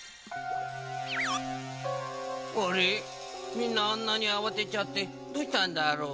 みんなあんなにあわてちゃってどうしたんだろう？